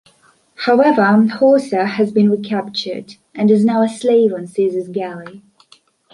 However, Horsa has been re-captured and is now a slave on Caesar's galley.